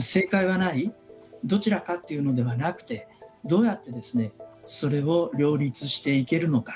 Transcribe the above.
正解はないどちらかというのではなくてどうやってそれを両立していけるのか。